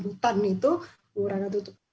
hutan itu murahan tutupan